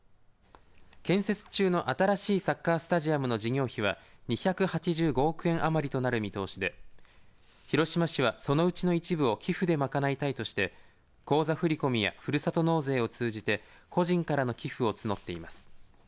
建設中の新しいサッカースタジアムの事業費は２８５億円余りとなる見通しで広島市はそのうちの一部を寄付で賄いたいとして口座振り込みやふるさと納税を通じて個人からの寄付を募っています。